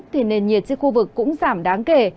thì nền nhiệt trên khu vực cũng giảm đáng kể